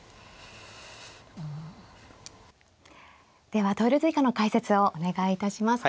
では投了図以下の解説をお願いいたします。